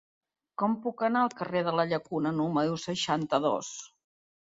Com puc anar al carrer de la Llacuna número seixanta-dos?